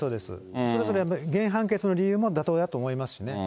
それぞれ原判決の理由も妥当だと思いますしね。